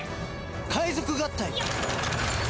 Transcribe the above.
界賊合体。